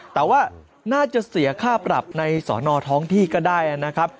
แต่ว่าน่าจะเสียค่าปรับในสอนอท้องที่ก็ได้นะครับ